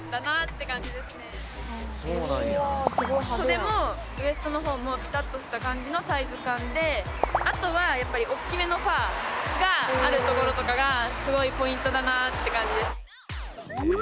袖もウエストの方もピタッとした感じのサイズ感であとはやっぱりおっきめのファーがあるところとかがすごいポイントだなって感じです。